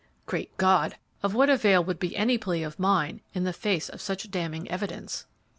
Great God! of what avail would be any plea of mine in the face of such damning evidence?